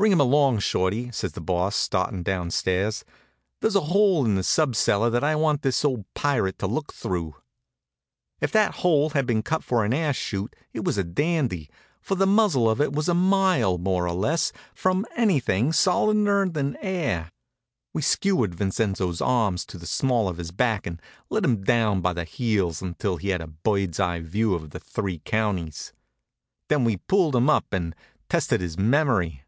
"Bring him along, Shorty," says the Boss, starting downstairs. "There's a hole in the sub cellar that I want this old pirate to look through." If that hole had been cut for an ash chute it was a dandy, for the muzzle of it was a mile more or less from anything solider'n air. We skewered Vincenzo's arms to the small of his back and let him down by the heels until he had a bird's eye view of three counties. Then we pulled him up and tested his memory.